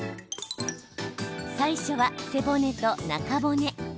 最初は、背骨と中骨。